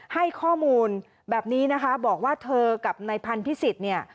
ให้ข้อมูลแบบนี้บอกว่าเธอกับนายพันธุ์พิสิทธิ์